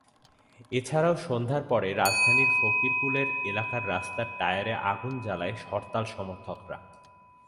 এছাড়াও সন্ধ্যার পরে রাজধানীর ফকিরেরপুল এলাকায় রাস্তায় টায়ারে আগুন জালায় হরতাল সমর্থকরা।